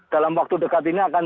dalam waktu dekat ini akan